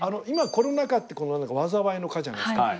今コロナ禍って災いの「禍」じゃないですか。